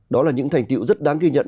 đó là những thành tiệu rất đáng ghi nhận